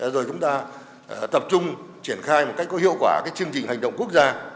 rồi chúng ta tập trung triển khai một cách có hiệu quả chương trình hành động quốc gia